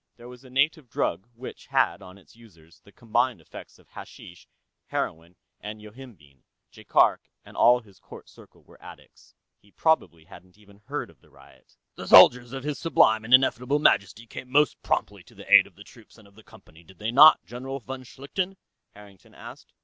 There was a native drug which had, on its users, the combined effects of hashish, heroin and yohimbine; Jaikark and all his court circle were addicts. He probably hadn't even heard of the riot. "The soldiers of His Sublime and Ineffable Majesty came most promptly to the aid of the troops of the Company, did they not, General von Schlichten?" Harrington asked.